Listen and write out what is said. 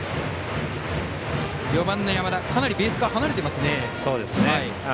４番の山田かなりベースから離れてますね。